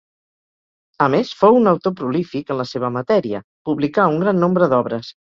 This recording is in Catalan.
A més, fou un autor prolífic en la seva matèria, publicà un gran nombre d'obres.